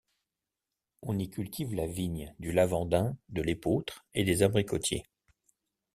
On y cultive la vigne, du lavandin, de l'épeautre et des abricotiers.